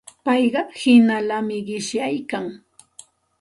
Payqa hinallami qishyaykan.